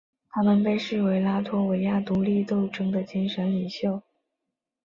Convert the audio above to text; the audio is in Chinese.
新疆政法干部学校公安专业毕业。